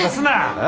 え？